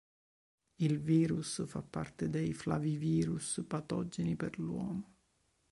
Il virus fa parte dei flavivirus patogeni per l'uomo.